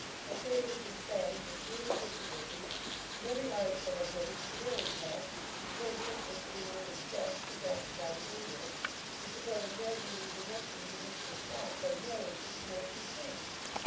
Their trade has been saddled with grievous impositions, and every article of living severely taxed, to pay the interest of enormous debts, contracted by the English, in support of measures and connections in which the Scots had no interest nor concern.